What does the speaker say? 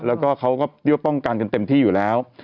แล้วก็เขาก็เรียกว่าป้องกันกันเต็มที่อยู่แล้ว